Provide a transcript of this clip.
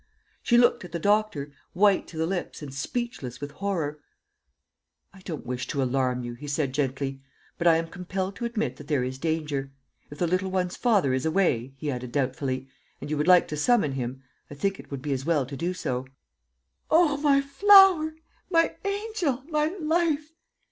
She looked at the doctor, white to the lips and speechless with horror. "I don't wish to alarm you," he said gently, "but I am compelled to admit that there is danger. If the little one's father is away," he added doubtfully, "and you would like to summon him, I think it would be as well to do so." "O, my flower, my angel, my life!"